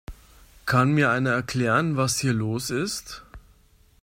Kann mir einer erklären, was hier los ist?